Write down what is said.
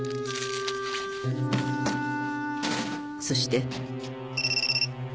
そして。